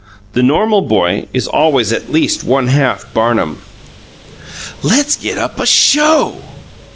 The normal boy is always at least one half Barnum. "Let's get up a SHOW!"